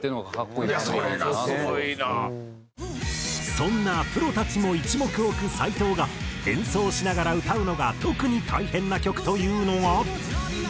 そんなプロたちも一目置く斎藤が演奏しながら歌うのが特に大変な曲というのが。